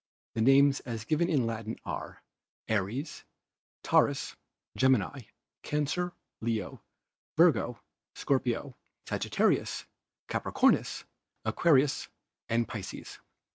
The names as given in Latin are Aries, Tau rus, Gemini, Cancer, Leo, Virgo, Scorpio, Sagittarius, Capricornus, Aquarius and Pisces.